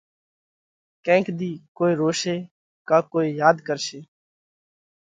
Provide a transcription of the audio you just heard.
ڪينڪ ۮِي ڪوئي روشي ڪا ڪوئي ياڌ ڪرشي